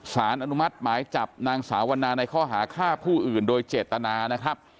สารอนุมัติหมายจับนางสาววันนาในข้อหาฆ่าผู้อื่นโดยเจตนานะครับ